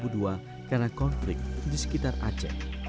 dan dua ribu dua karena konflik di sekitar aceh